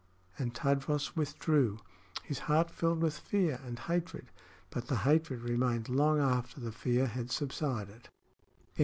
And Tadros withdrew, his heart filled with fear and hatred; but the hatred remained long after the fear had subsided.